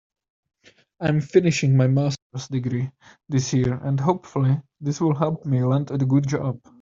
I'm finishing my masters degree this year and hopefully this will help me land a good job.